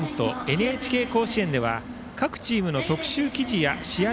「ＮＨＫ甲子園」では各チームの特集記事や試合